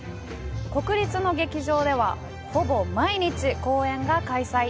国立の劇場ではほぼ毎日公演が開催。